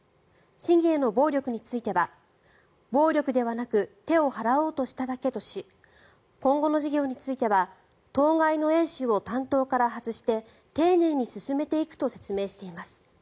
市議への暴力については暴力ではなく手を払おうとしただけとし今後の事業については当該のＡ氏を担当から外して丁寧に進めていくと説明しています。